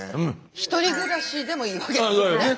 １人暮らしでもいいわけですもんね。